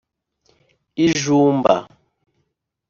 Ijumba